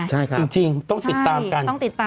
ใช่ครับใช่ต้องติดตามด้วยนะคะจริงต้องติดตามกัน